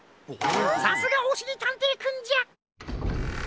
さすがおしりたんていくんじゃ！